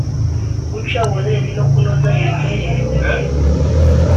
guca ubuzererezi no kunoza imiturire